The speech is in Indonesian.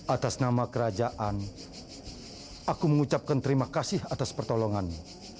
atas nama kerajaan aku mengucapkan terima kasih atas pertolonganmu